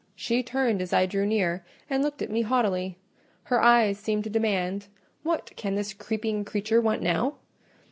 She turned as I drew near, and looked at me haughtily: her eyes seemed to demand, "What can the creeping creature want now?"